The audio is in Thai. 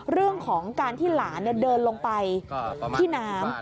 เรื่องของการที่หลานเดินลงไปที่น้ำ